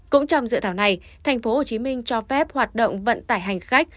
cũng trong dự thảo này tp hcm cho phép hoạt động vận tải hành khách